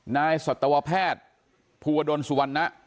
๒นายสตโตวแพทย์พัวดลสุวรรณะ